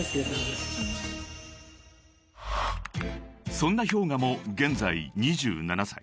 ［そんなＨｙＯｇＡも現在２７歳］